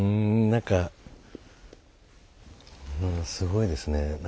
なんかすごいですね。